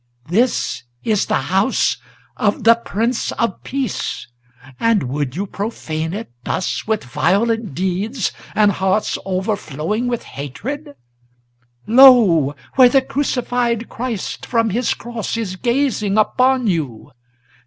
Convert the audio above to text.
This is the house of the Prince of Peace, and would you profane it Thus with violent deeds and hearts overflowing with hatred? Lo! where the crucified Christ from his cross is gazing upon you!